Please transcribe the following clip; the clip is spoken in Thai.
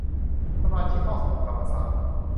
สมาชิกห้องสมุดธรรมศาสตร์